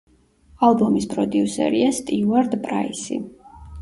ალბომის პროდიუსერია სტიუარტ პრაისი.